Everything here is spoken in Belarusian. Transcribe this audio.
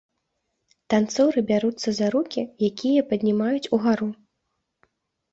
Танцоры бяруцца за рукі, якія паднімаюць угару.